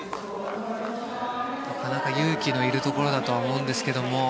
なかなか勇気のいるところだとは思うんですが。